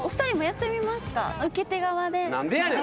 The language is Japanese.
何でやねん。